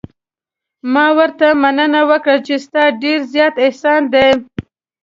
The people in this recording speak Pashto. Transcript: ما ورته مننه وکړه چې ستا ډېر زیات احسان دی.